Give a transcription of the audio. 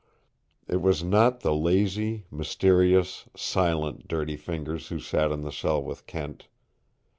It was not the lazy, mysterious, silent Dirty Fingers who sat in the cell with Kent.